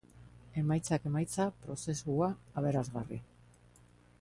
Emaitzak emaitza, prozesua aberasgarri.